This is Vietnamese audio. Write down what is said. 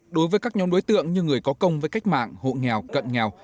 đối với các nhóm đối tượng như người có công với cách mạng hộ nghèo cận nghèo